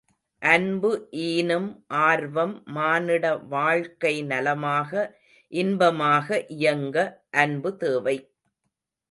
அன்பு ஈனும் ஆர்வம் மானிட வாழ்க்கை நலமாக, இன்பமாக இயங்க அன்பு தேவை.